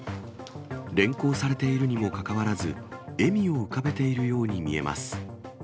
連行されているにもかかわらず、笑みを浮かべているように見えます。